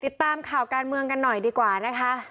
ติดตามข่าวการเมืองกันหน่อยดีกว่านะคะ